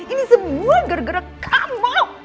ini semua gara gara kamu